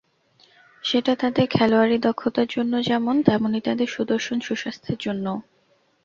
সেটা তাঁদের খেলোয়াড়ি দক্ষতার জন্য যেমন, তেমনি তাঁদের সুদর্শন সুস্বাস্থ্যের জন্যও।